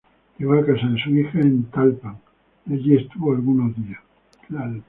Llegó a casa de su hija en Tlalpan, y ahí estuvo algunos días.